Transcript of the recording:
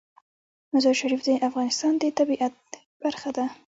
مزارشریف د افغانستان د طبیعت برخه ده.